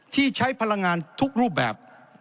ที่ใช้พลังงานทุกรูปแบบ